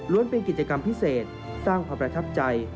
เป็นกิจกรรมพิเศษสร้างความประทับใจ